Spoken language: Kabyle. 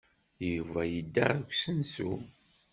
Yuba yedda seg usensu.